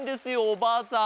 おばあさん。